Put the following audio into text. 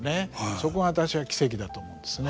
そこが私は奇蹟だと思うんですね。